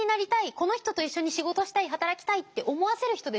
この人と一緒に仕事したい。働きたい」って思わせる人ですよね。